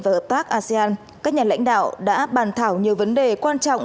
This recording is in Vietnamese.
và hợp tác asean các nhà lãnh đạo đã bàn thảo nhiều vấn đề quan trọng